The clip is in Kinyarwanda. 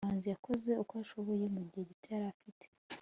manzi yakoze uko ashoboye mugihe gito yari afite